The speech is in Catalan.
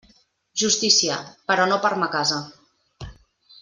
Justícia, però no per ma casa.